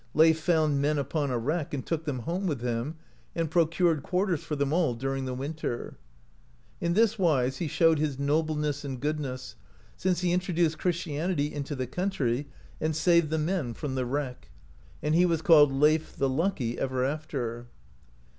Leif found men upon a wreck, and took them home with him, and procured quarters for them all during the winter. In this wise he showed his nobleness and goodness, since he in troduced Christianity into the country, and saved the men from the wreck ; and he was called Leif the Lucky ever after.